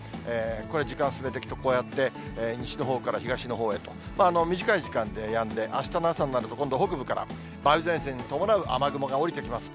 これ、時間進めていくと、こうやって西のほうから東のほうへと、短い時間でやんで、あしたの朝になると、今度、北部から梅雨前線に伴う雨雲が下りてきます。